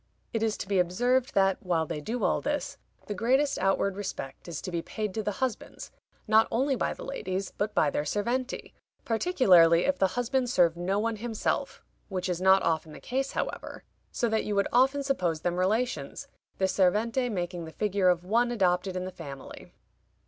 It is to be observed, that while they do all this, the greatest outward respect is to be paid to the husbands, not only by the ladies, but by their serventi, particularly if the husband serve no one himself (which is not often the case, however), so that you would often suppose them relations, the servente making the figure of one adopted in the family.